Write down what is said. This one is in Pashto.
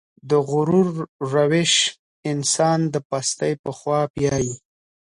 د غرور روش انسان د پستۍ په خوا بيايي.